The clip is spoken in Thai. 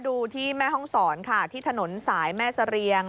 ที่แม่ห้องศรค่ะที่ถนนสายแม่เสรียง